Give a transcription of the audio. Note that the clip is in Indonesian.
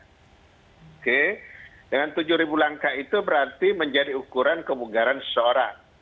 oke dengan tujuh langkah itu berarti menjadi ukuran kebugaran seseorang